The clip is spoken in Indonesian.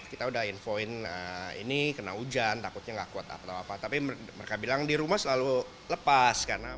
kita udah infoin ini kena hujan takutnya gak kuat apa apa tapi mereka bilang di rumah selalu lepas